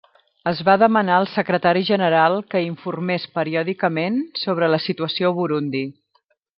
Es va demanar al Secretari General que informés periòdicament sobre la situació a Burundi.